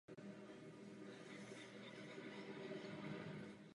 Rozsáhlý lesní komplex se nachází pouze na severním úbočí pod vrcholem.